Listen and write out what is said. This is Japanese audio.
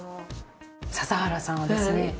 笹原さんはですね